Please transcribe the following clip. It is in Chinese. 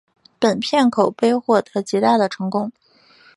本片口碑获得极大的成功。